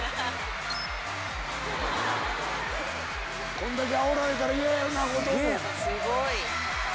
こんだけあおられたら嫌やろな後藤も。